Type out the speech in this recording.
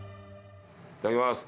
いただきます。